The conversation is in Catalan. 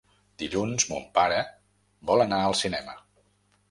Dilluns mon pare vol anar al cinema.